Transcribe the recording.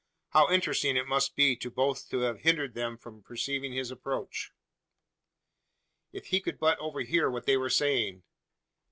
How interesting it must be to both to have hindered them from perceiving his approach! If he could but overhear what they were saying?